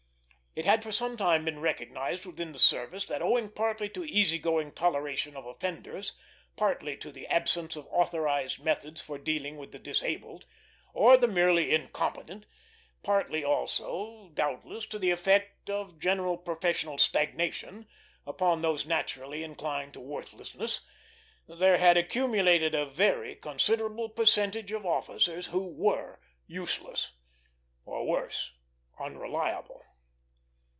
It had for some time been recognized within the service that, owing partly to easy going toleration of offenders, partly to the absence of authorized methods for dealing with the disabled, or the merely incompetent, partly also, doubtless, to the effect of general professional stagnation upon those naturally inclined to worthlessness, there had accumulated a very considerable percentage of officers who were useless; or, worse, unreliable.